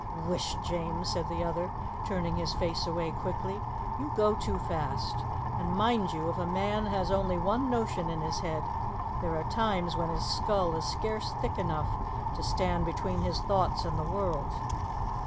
"Whisht, James!" said the other, turning his face away quickly. "You go too fast. And, mind you, if a man has only one notion in his head, there are times when his skull is scarce thick enough to stand between his thoughts and the world."